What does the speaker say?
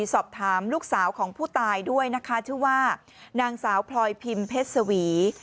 สอบถามลูกสาวของผู้ตายด้วยนะคะชื่อว่านางสาวพลอยพิมพ์เพชรสวี